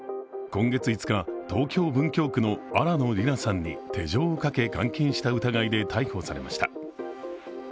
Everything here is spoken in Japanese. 今月５日、東京・文京区の新野りなさんに手錠をかけ監禁した疑いで逮捕されました。